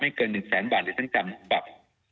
ไม่เกิน๑แสนบาทหรือทั้งจำทั้งปรับ